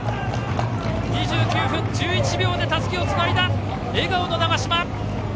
２９分１１秒でたすきをつないだ笑顔の長嶋。